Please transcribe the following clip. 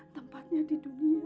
tempatnya di dunia